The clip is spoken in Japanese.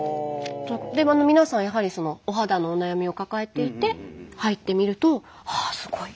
皆さんやはりお肌のお悩みを抱えていて入ってみるとああすごい！